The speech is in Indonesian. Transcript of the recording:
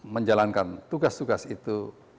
menjalankan tugas tugas itu